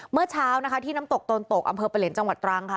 เมื่อเช้านะคะที่น้ำตกตนตกอำเภอปะเหล็นจังหวัดตรังค่ะ